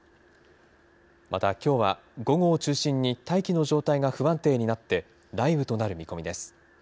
またきょうは、午後を中心に大気の状態が不安定になって、雷雨となる見込みです。